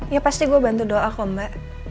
ya pasti gue bantu doa kok mbak